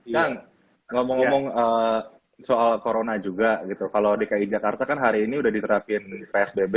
kang ngomong ngomong soal corona juga gitu kalau dki jakarta kan hari ini udah diterapin psbb